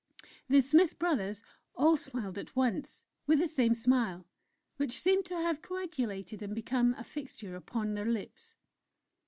The "Smith Brothers" all smiled at once, with the same smile, which seemed to have coagulated and become a fixture upon their lips.